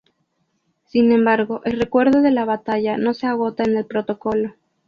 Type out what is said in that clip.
Sin embargo, el recuerdo de la batalla no se agota en el protocolo.